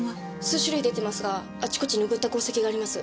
数種類出てますがあちこち拭った痕跡があります。